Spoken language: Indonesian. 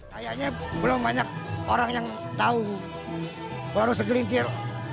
sayangnya belum banyak orang yang tahu baru segelintir